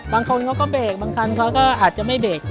บางคนเขาก็เบรกบางคันเขาก็อาจจะไม่เบรก